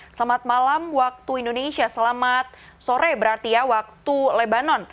selamat malam waktu indonesia selamat sore berarti ya waktu lebanon